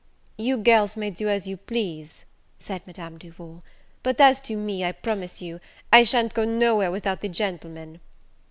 "You girls may do as you please," said Madame Duval; "but as to me, I promise you, I sha'n't go nowhere without the gentlemen."